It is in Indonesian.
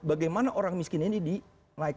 bagaimana orang miskin ini dinaikkan